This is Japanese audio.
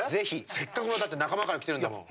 せっかくのだって仲間から来てるんだもん。